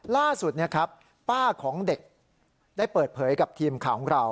ล่าสุดป้าของเด็กได้เปิดเผยกับทีมข่าวของเรา